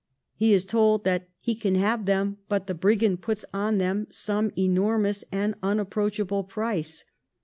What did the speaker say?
He is told that he can have them, but the brigand puts on them some enormous and unapproachable price.